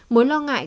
mối lo ngại